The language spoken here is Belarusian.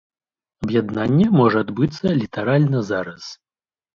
Аб'яднанне можа адбыцца літаральна зараз.